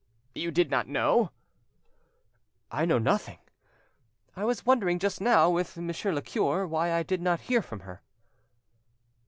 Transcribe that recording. "You did not know?" "I know nothing. I was wondering just now with Monsieur le cure why I did not hear from her."